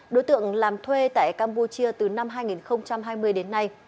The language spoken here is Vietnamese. đối tượng làm thuê tại campuchia từ năm hai nghìn hai mươi đến nay